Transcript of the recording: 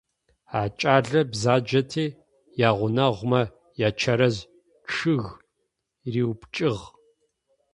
А кӏалэр бзаджэти ягъунэгъумэ ячэрэз чъыг риупкӏыгъ.